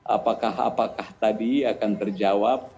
apakah apakah tadi akan terjawab